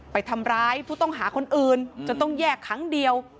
ไปทำร้ายผู้ต้องหาคนอื่นจนต้องแยกครั้งเดียว